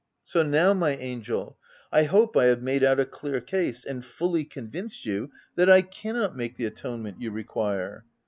So now, my angel, I hope I have made out a clear case, and fully convinced you that I cannot make the atone ment you require.